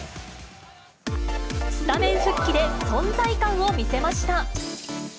スタメン復帰で存在感を見せました。